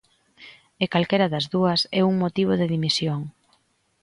E calquera das dúas é un motivo de dimisión.